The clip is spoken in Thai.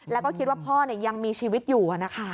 แล้วก็คิดว่าพ่อยังมีชีวิตอยู่นะคะ